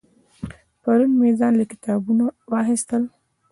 پرون مې ځان له کتابونه واغستل